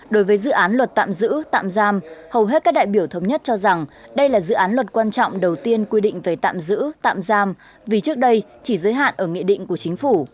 đối với dự án luật tạm giữ tạm giam hầu hết các đại biểu thống nhất cho rằng đây là dự án luật quan trọng đầu tiên quy định về tạm giữ tạm giam vì trước đây chỉ giới hạn ở nghị định của chính phủ